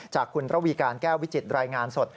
จากคุณระวีการแก้ววิจิตรายงานสด